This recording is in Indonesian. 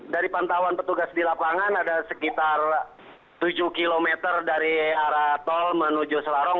dari pantauan petugas di lapangan ada sekitar tujuh km dari arah tol menuju selarong